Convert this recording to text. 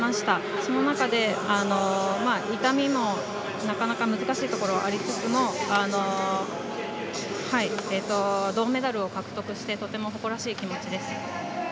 その中で、なかなか難しいところはありつつも銅メダルを獲得してとても誇らしい気持ちです。